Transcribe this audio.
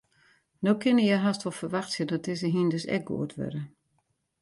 No kinne je hast wol ferwachtsje dat dizze hynders ek goed wurde.